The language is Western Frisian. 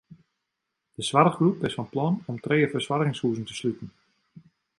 De soarchgroep is fan plan om trije fersoargingshuzen te sluten.